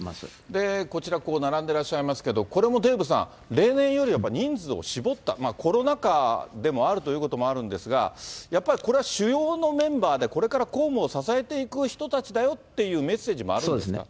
で、こちらこう、並んでらっしゃいますけれども、これもデーブさん、例年より人数を絞った、コロナ禍でもあるということもあるんですが、やっぱりこれは主要のメンバーで、これから公務を支えていく人たちだよってメッセージもあるんです